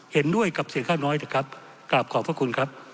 เห็นด้วยกับเสียงข้างน้อยนะครับกราบขอบพระคุณครับ